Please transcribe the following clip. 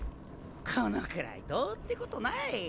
このくらいどうってことない。